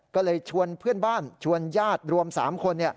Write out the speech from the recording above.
ก็เลยชวนเพื่อนบ้านชวนญาติรวม๓คน